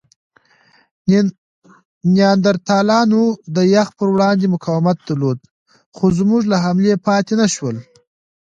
نیاندرتالانو د یخ پر وړاندې مقاومت درلود؛ خو زموږ له حملې پاتې نهشول.